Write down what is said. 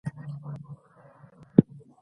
ورور مې په لوړ غږ وخندل او ناره یې کړه.